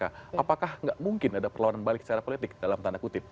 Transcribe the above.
apakah nggak mungkin ada perlawanan balik secara politik dalam tanda kutip